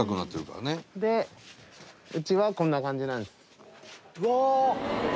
うちはこんな感じなんです。